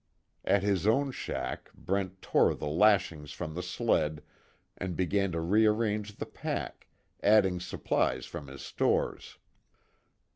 At his own shack Brent tore the lashings from the sled, and began to rearrange the pack, adding supplies from his stores.